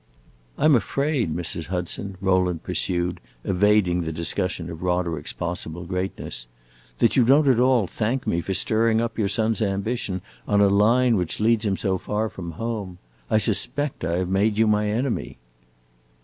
"I 'm afraid, Mrs. Hudson," Rowland pursued, evading the discussion of Roderick's possible greatness, "that you don't at all thank me for stirring up your son's ambition on a line which leads him so far from home. I suspect I have made you my enemy."